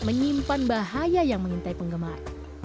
menyimpan bahaya yang mengintai penggemar